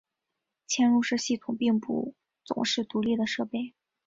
嵌入式系统并不总是独立的设备。